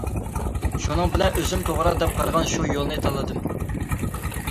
شۇنىڭ بىلەن ئۆزۈم توغرا دەپ قارىغان شۇ يولنى تاللىدىم.